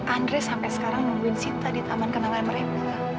andre sampai sekarang nungguin sita di taman kenangan merempu